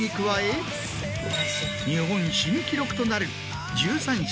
日本新記録となる。